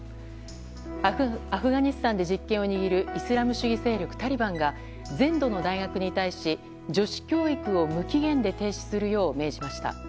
アフガニスタンで実権を握るイスラム主義勢力タリバンが全土の大学に対し、女子教育を無期限で停止するよう命じました。